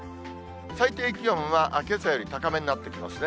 最低気温はけさより高めになってきますね。